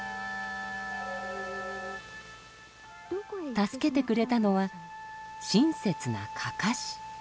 助けてくれたのは親切なかかし。